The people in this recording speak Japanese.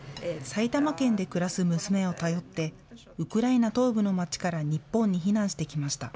埼玉県で暮らす娘を頼って、ウクライナ東部の街から日本に避難してきました。